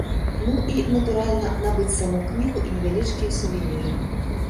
Ну і, натуральна, набыць саму кнігу і невялічкія сувеніры.